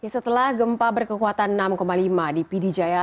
setelah gempa berkekuatan enam lima di pidijaya